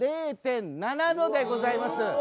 ０．７度でございます。